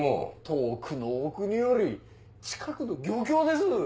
遠くのお国より近くの漁協です！